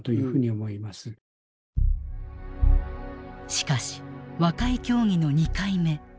しかし和解協議の２回目。